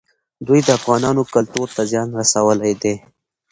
دوی د افغانانو کلتور ته زیان رسولی دی.